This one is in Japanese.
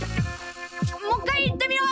もっかいいってみよう！